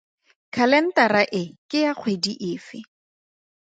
Khalentara e ke ya kgwedi efe?